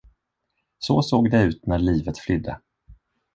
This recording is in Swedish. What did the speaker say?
Så såg det ut när livet flydde.